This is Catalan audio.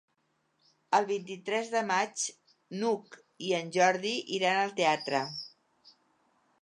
El vint-i-tres de maig n'Hug i en Jordi iran al teatre.